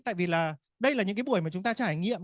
tại vì là đây là những cái buổi mà chúng ta trải nghiệm